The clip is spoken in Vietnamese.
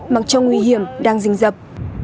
mặc trong nguy hiểm đang dình dập